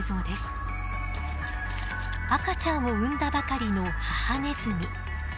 赤ちゃんを産んだばかりの母ネズミ。